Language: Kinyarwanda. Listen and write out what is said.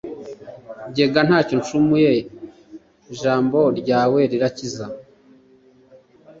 Jye ga nta cyo ncumuye jambo rya we rirakiza.